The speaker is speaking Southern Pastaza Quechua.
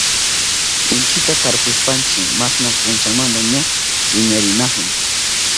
Inchikta tarpushpanchi masna punchamanta ña wiñarinahun.